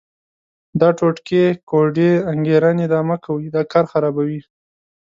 دا ټوټکې، کوډې، انګېرنې دا مه کوئ، دا کار خرابوي.